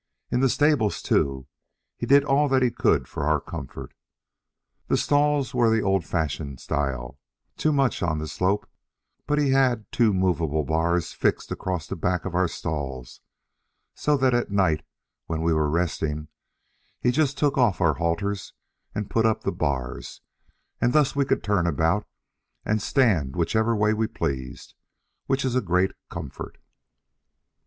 In the stable, too, he did all that he could for our comfort. The stalls were the old fashioned style, too much on the slope; but he had two movable bars fixed across the back of our stalls, so that at night, when we were resting, he just took off our halters and put up the bars, and thus we could turn about and stand whichever way we pleased, which is a great comfort.